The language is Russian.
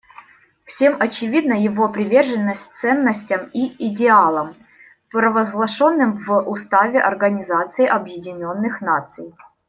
Всем очевидна его приверженность ценностям и идеалам, провозглашенным в Уставе Организации Объединенных Наций.